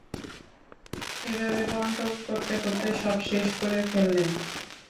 এভাবে বন্টন করতে করতে সব শেষ করে ফেললেন।